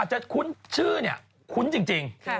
อาจจะคุ้นชื่อคุ้นจริง